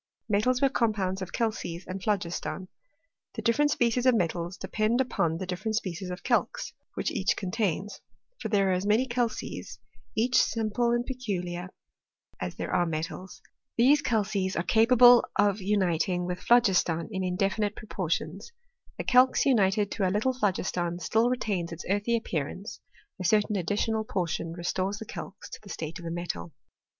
Metals were compounds of calces and phlogiston. The different species of metals depend upon the dif ferent species of calx which each contains ; for there are as many calces (each simple and peculiar) as there are metals. These calces are capable of uniting with phlogiston in indefinite proportions. The calx united to a little phlogiston still retains its earthy appearance '— a certain additional portion restores the calx to the state of a metal.